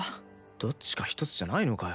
どっちか一つじゃないのかよ